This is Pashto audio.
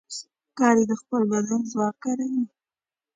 ښکاري د خپل بدن ځواک کاروي.